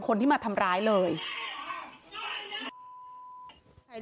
กลุ่มวัยรุ่นฝั่งพระแดง